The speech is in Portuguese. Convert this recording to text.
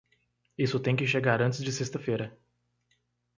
Isso tem que chegar antes de sexta-feira.